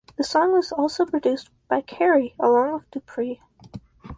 The song was also produced by Carey along with Dupri.